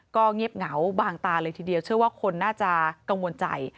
ก็เงียบเหงาบางตาเลยทีเดียวเชื่อว่าคนน่าจะกังวลใจ